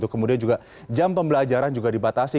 kemudian juga jam pembelajaran juga dibatasi